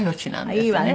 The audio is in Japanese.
いいわね。